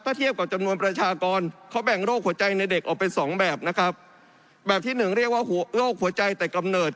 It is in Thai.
ถ้าเทียบกับจำนวนประชากรเขาแบ่งโรคหัวใจในเด็กออกไปสองแบบนะครับแบบที่หนึ่งเรียกว่าหัวโรคหัวใจแต่กำเนิด